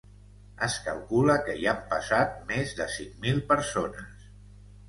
Es calcula que hi han passat més de cinc mil persones.